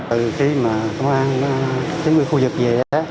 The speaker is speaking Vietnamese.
từ khi mà công an chính quy phu dực về